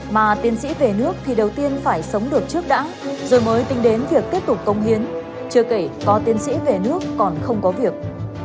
mà tiến sĩ về nước thì đầu tiên phải sống được trước đã rồi mới tính đến việc tiếp tục công hiến chưa kể có tiến sĩ về nước còn không có việc